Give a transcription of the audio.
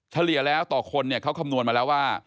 เฉลี่ยแล้วต่อคนเนี่ยเขาคำนวณมาแล้วว่า